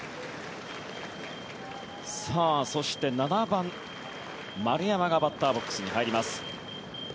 そして７番、丸山がバッターボックスに入ります。